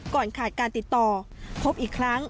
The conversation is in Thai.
ก่อนขาดการติดต่อพบอีกครั้ง